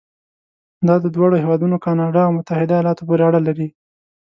دا د دواړو هېوادونو کانادا او متحده ایالاتو پورې اړه لري.